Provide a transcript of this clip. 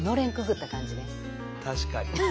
確かに。